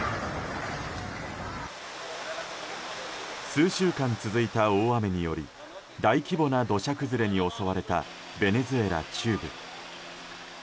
数週間続いた大雨により大規模な土砂崩れに襲われたベネズエラ中部。